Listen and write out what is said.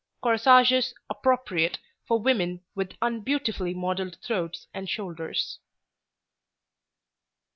CORSAGES APPROPRIATE FOR WOMEN WITH UNBEAUTIFULLY MODELLED THROATS AND SHOULDERS.